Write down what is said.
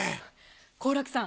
好楽さん